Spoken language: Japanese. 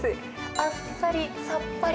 あっさり、さっぱり。